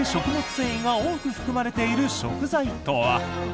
繊維が多く含まれている食材とは？